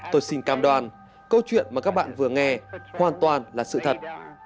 tôi xin cam đoàn câu chuyện mà các bạn vừa nghe hoàn toàn là sự thật